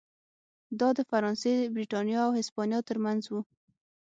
دا د فرانسې، برېټانیا او هسپانیا ترمنځ و.